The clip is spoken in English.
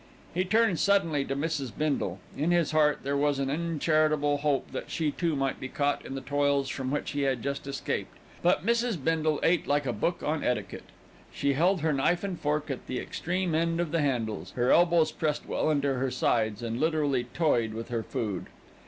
He turned suddenly to Mrs. Bindle. In his heart there was an uncharitable hope that she too might be caught in the toils from which he had just escaped; but Mrs. Bindle ate like a book on etiquette. She held her knife and fork at the extreme end of the handles, her elbows pressed well into her sides, and literally toyed with her food.